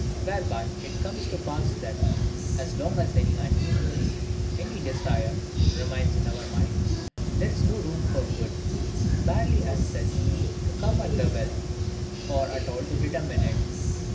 Whereby it comes to pass that, as long as any uneasiness, any desire, remains in our mind, there is no room for good, barely as such, to come at the will, or at all to determine it.